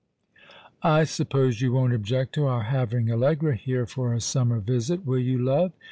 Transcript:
"I suppose you won't object to our having Allegra here for a summer visit, will you, love